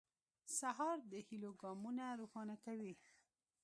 سهار د هيلو ګامونه روښانه کوي.